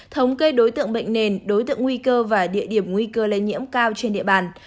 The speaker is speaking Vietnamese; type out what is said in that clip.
thống kê đối tượng bệnh nền đối tượng nguy cơ và địa điểm nguy cơ lây nhiễm cao trên địa bàn